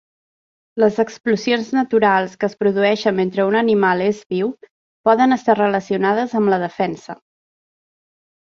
Les explosions naturals que es produeixen mentre un animal és viu poden estar relacionades amb la defensa.